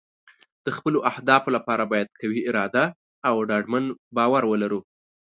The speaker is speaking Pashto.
د خپلو اهدافو لپاره باید قوي اراده او ډاډمن باور ولرو.